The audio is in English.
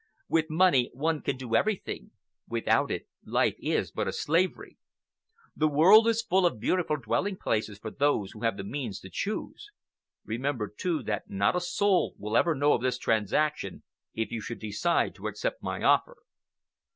With money one can do everything. Without it, life is but a slavery. The world is full of beautiful dwelling places for those who have the means to choose. Remember, too, that not a soul will ever know of this transaction, if you should decide to accept my offer."